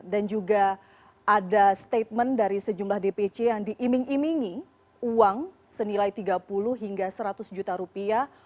dan juga ada statement dari sejumlah dpc yang diiming imingi uang senilai tiga puluh hingga seratus juta rupiah